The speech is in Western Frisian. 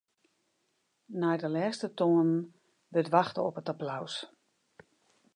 Nei de lêste toanen wurdt wachte op it applaus.